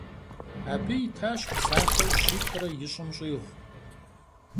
Абы итащ псалъэу щитӏрэ ищӏым щӏигъу.